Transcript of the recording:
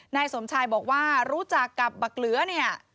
นายสมชายบอกว่ารู้จักกับบักเหลือเนี่ย